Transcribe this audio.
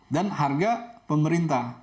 dan harga pemerintah